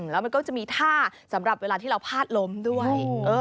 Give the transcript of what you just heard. แล้วมันก็จะมีท่าสำหรับเวลาที่เราพาดล้มด้วย